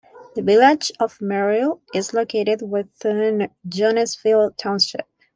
The Village of Merrill is located within Jonesfield Township.